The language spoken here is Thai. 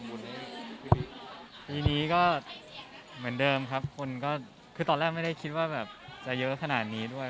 ปีนี้ก็เหมือนเดิมครับคนก็คือตอนแรกไม่ได้คิดว่าแบบจะเยอะขนาดนี้ด้วย